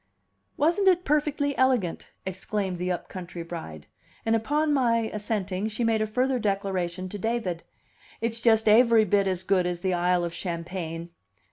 "Wasn't it perfectly elegant!" exclaimed the up country bride. And upon my assenting, she made a further declaration to David: "It's just aivry bit as good as the Isle of Champagne."